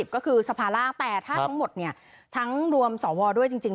ก็คือสภาระ๘ทั้งหมดเนี่ยทั้งรวมสวดด้วยจริง